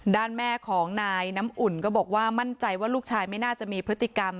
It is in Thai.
ด้านแม่ของนายน้ำอุ่นก็บอกว่ามั่นใจว่าลูกชายไม่น่าจะมีพฤติกรรม